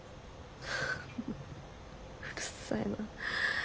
はあうるさいな。